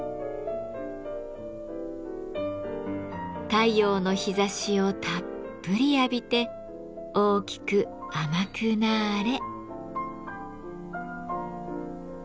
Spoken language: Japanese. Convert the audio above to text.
太陽の日ざしをたっぷり浴びて大きく甘くなれ！